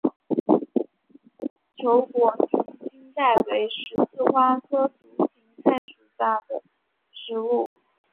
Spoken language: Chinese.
球果群心菜为十字花科独行菜属的植物。